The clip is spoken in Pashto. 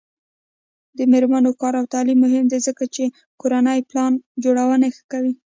د میرمنو کار او تعلیم مهم دی ځکه چې کورنۍ پلان جوړونې ښه کوي.